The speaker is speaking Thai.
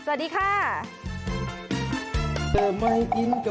สวัสดีค่ะ